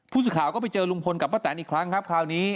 ผู้สื่อข่าวก็ไปเจอลุงพลกับป้าแตนอีกครั้งครับคราวนี้